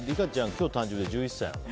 今日、誕生日で１１歳。